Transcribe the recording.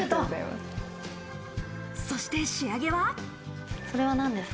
そして仕上げは。